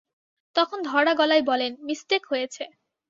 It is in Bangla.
তখন ধরা গলায় বলেন, মিসটেক হয়েছে।